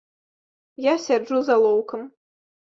Я сяджу з алоўкам.